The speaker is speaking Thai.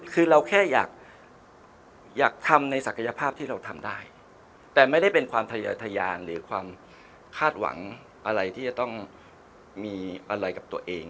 คือเราแค่อยากทำในศักยภาพที่เราทำได้แต่ไม่ได้เป็นความทะยาทะยานหรือความคาดหวังอะไรที่จะต้องมีอะไรกับตัวเอง